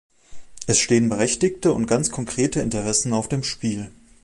Es stehen berechtigte und ganz konkrete Interessen auf dem Spiel.